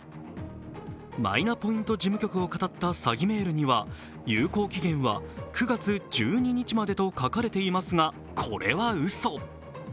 マイナポイント事務局をかたった詐欺メールには、有効期限は９月１２日までと書かれていますがこれはうそ。